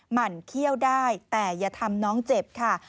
หั่นเขี้ยวได้แต่อย่าทำน้องเจ็บค่ะ